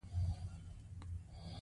عاید او ثروت په نا مساوي توګه ویشل شوی.